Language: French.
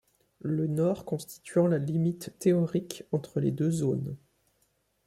Le nord constituant la limite théorique entre les deux zones.